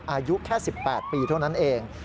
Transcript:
อายุแค่๑๘ปีเท่านั้นเอง